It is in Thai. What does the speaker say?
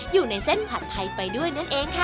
อยู่ในเส้นผัดไทยไปด้วยนั่นเองค่ะ